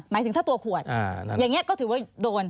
อย่างนี้ก็ถือว่าโดน